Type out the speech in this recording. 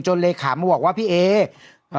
จนเลยขามว่าพี่เอส